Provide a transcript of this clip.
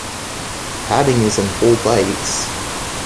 Padding is in whole bytes.